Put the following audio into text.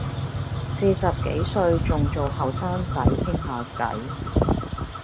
四十幾歲仲做後生仔傾吓偈